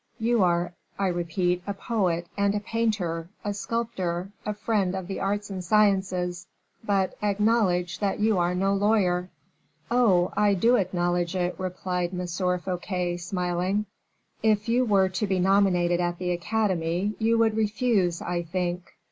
"You are, I repeat, a poet and a painter, a sculptor, a friend of the arts and sciences; but, acknowledge that you are no lawyer." "Oh! I do acknowledge it," replied M. Fouquet, smiling. "If you were to be nominated at the Academy, you would refuse, I think."